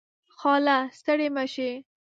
خاله . ستړې مشې